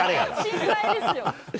心配ですよ。